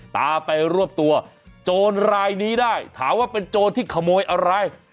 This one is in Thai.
ตามไปรวบตัวโจรรายนี้ได้ถามว่าเป็นโจรที่ขโมยอะไร